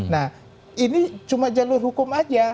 nah ini cuma jalur hukum aja